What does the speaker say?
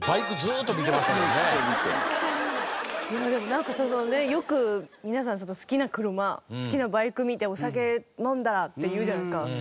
なんかそのねよく皆さん好きな車好きなバイク見てお酒飲んだらって言うじゃないですか。